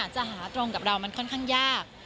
จะหาตรงกับเรามันค่อนข้างยาก